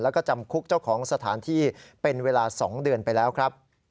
แล้วก็จำคุกเจ้าของสถานที่เป็นเวลา๒เดือนไปแล้วครับ